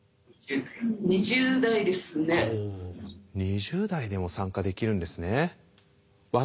２０代でも参加できるんですね。